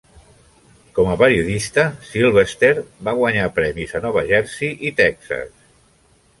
Com a periodista, Sylvester va guanyar premis a Nova Jersey i Texas.